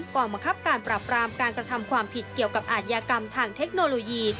กรรมคับการปราบรามการกระทำความผิดเกี่ยวกับอาทยากรรมทางเทคโนโลยี